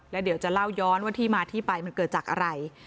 แล้วเดี๋ยวจะเล่าย้อนว่าที่มาที่ไปมันเกิดจากอะไร